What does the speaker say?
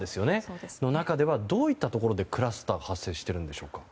この中ではどういったところでクラスターが発生しているんでしょうか。